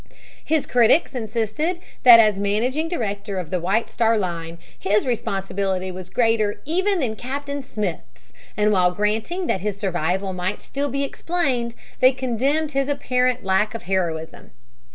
His critics insisted that as managing director of the White Star Line his responsibility was greater even than Captain Smith's, and while granting that his survival might still be explained, they condemned his apparent lack of heroism.